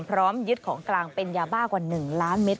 พร้อมยึดของกลางเป็นยาบ้ากว่า๑ล้านเม็ด